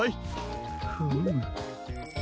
フム。